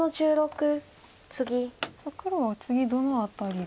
さあ黒は次どの辺りが。